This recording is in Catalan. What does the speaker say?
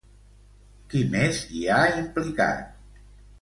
Qui més hi ha implicat?